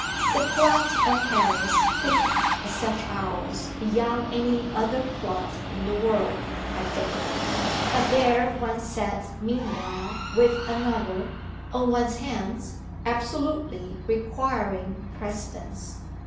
The "plot" of Paris thickened at such hours beyond any other plot in the world, I think; but there one sat meanwhile with another, on one's hands, absolutely requiring precedence.